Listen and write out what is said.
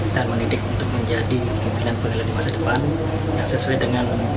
dan mendidik untuk menjadi pimpinan peneliti masa depan yang sesuai dengan